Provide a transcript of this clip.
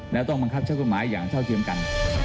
แล้วต้องบังคับใช้กฎหมายอย่างเท่าเทียมกัน